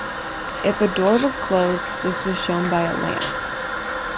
If a door was closed, this was shown by a lamp.